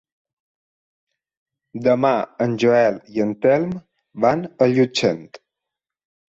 Demà en Joel i en Telm van a Llutxent.